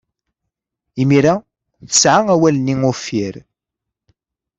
Imir-a, tesɛa awal-nni uffir.